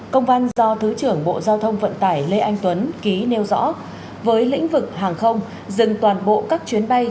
công văn do thứ trưởng bộ giao thông vận tải lê anh tuấn ký nêu rõ với lĩnh vực hàng không dừng toàn bộ các chuyến bay